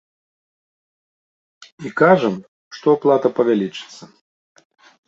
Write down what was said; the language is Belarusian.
І кажам, што аплата павялічыцца.